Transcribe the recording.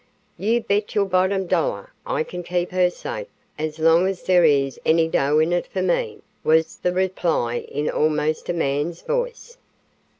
"You bet your bottom dollar I can keep her safe as long as there is any dough in it for me," was the reply in almost a man's voice.